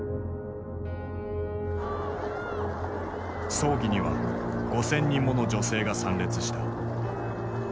葬儀には５，０００人もの女性が参列した。